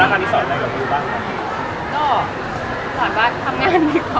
มันเกิดวิวสิทธิ์แรงขึ้นมาเรื่อย